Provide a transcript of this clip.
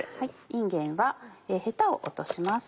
いんげんはへたを落とします。